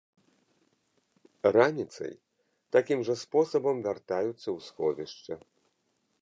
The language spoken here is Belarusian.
Раніцай такім жа спосабам вяртаюцца ў сховішча.